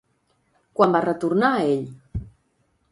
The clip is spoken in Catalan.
Quan va retornar ell?